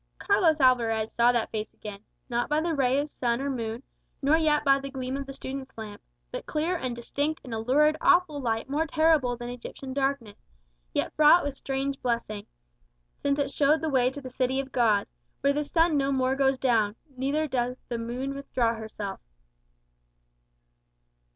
Carlos Alvarez saw that face again, not by the ray of sun or moon, nor yet by the gleam of the student's lamp, but clear and distinct in a lurid awful light more terrible than Egyptian darkness, yet fraught with strange blessing, since it showed the way to the city of God, where the sun no more goes down, neither doth the moon withdraw herself.